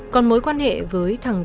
còn mối quan hệ với thằng trang